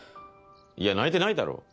いや泣いてないだろう。